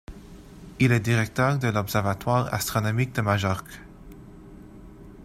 Il est directeur de l'Observatoire astronomique de Majorque.